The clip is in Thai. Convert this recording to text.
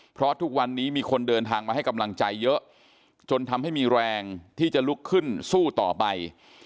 เพราะทุกวันนี้มีคนเดินทางมาให้กำลังใจเยอะจนทำให้มีแรงที่จะลุกขึ้นสู้ต่อไป